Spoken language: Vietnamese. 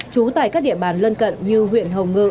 trú tại các địa bàn lân cận như huyện hồng ngự